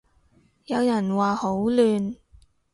有人話好亂